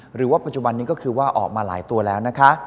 หรือว่าปัจจุบันนี้ก็คือว่าออกมาหลายตัวแล้วนะคะ